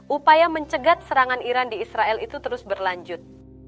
upaya mencegah serangan iran di israel itu terus berlanjut